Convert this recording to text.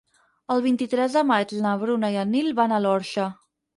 El vint-i-tres de maig na Bruna i en Nil van a l'Orxa.